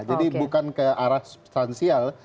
jadi bukan ke arah substansial